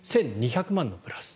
１２００万のプラス。